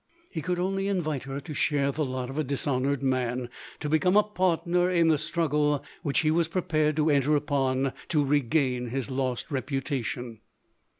He could only invite her to share the lot of a dis honoured man, to become a partner in the strug gle which he was prepared to enter upon, to re gain his lost reputation.